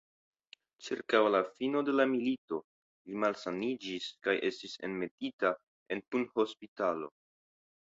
Ĉirkaŭ la fino de la milito li malsaniĝis kaj estis enmetita en punhospitalo.